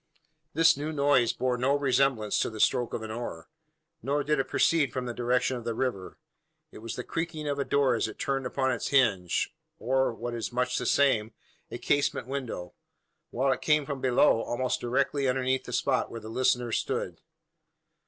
This new noise bore no resemblance to the stroke of an oar; nor did it proceed from the direction of the river. It was the creaking of a door as it turned upon its hinge, or, what is much the same, a casement window; while it came from below almost directly underneath the spot where the listener stood.